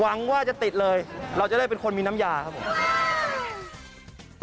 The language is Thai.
หวังว่าจะติดเลยเราจะได้เป็นคนมีน้ำยาครับผม